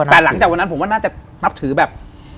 แต่หลังจากวันนั้นผมว่าน่าจะนับถือแบบ